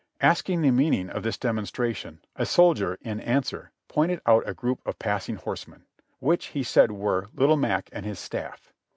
Asking the meaning of this demonstration, a soldier, in answer, pointed out a group of passing horsemen, which he said were "Little Mac" and his stafif.